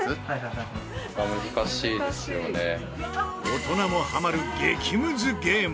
大人もハマる激ムズゲーム。